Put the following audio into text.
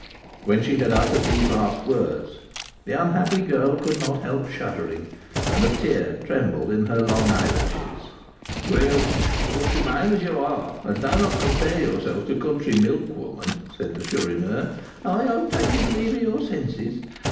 When she had uttered these last words, the unhappy girl could not help shuddering, and a tear trembled in her long eyelashes. "Well, but remain as you are, and do not compare yourself to a country milkwoman," said the Chourineur. "Are you taking leave of your senses?